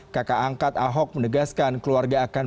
kakak angkat ahok menegaskan keluarga akan